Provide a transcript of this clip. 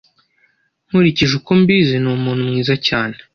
Nkurikije uko mbizi, ni umuntu mwiza cyane.